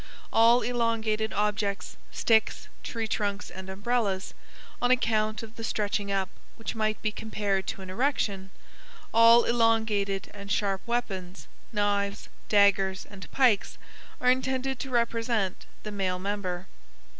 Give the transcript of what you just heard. All elongated objects, sticks, tree trunks, and umbrellas (on account of the stretching up which might be compared to an erection! all elongated and sharp weapons, knives, daggers, and pikes, are intended to represent the male member.